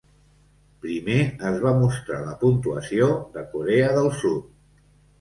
Primer es va mostrar la puntuació de Corea del Sud.